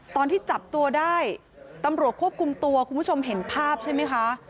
ตอนที่จับตัวได้ตำรวจควบคุมตัวคุณผู้ชมเห็นภาพใช่ไหมคะ